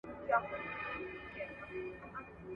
کډوال د خوندیتوب په لټه کي سفر کوي.